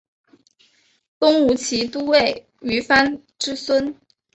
东吴骑都尉虞翻之孙。